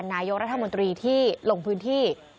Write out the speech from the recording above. นายกรัฐมนตรีที่ลงพื้นที่